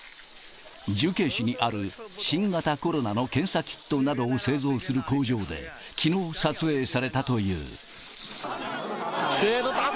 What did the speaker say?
重慶市にある、新型コロナの検査キットなどを製造する工場で、きのう撮影されたという。